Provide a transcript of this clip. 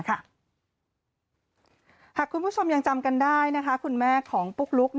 หากคุณผู้ชมยังจำกันได้คุณแม่ของปุ๊กลุ๊ก